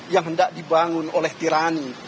yang hendak dibangun oleh tirani